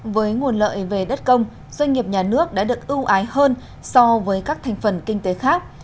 với nguồn lợi về đất công doanh nghiệp nhà nước đã được ưu ái hơn so với các thành phần kinh tế khác